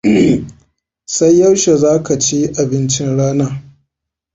Sai yaushe za ka ci abincin rana?